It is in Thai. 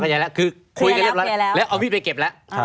คุยกันแล้วแล้วเอามีนไปเก็บแล้ว